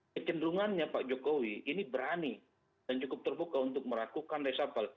kecenderungannya pak jokowi ini berani dan cukup terbuka untuk meragukan resapel